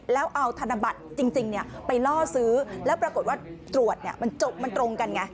แล้วเอาธนบัตรจริงเนี่ยไปล่อซื้อแล้วปรากฏว่าตรวจเนี่ยมันจบมันตรงกันไง